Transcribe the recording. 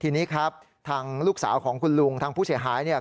ทีนี้ครับทางลูกสาวของคุณลุงทางผู้เสียหายเนี่ย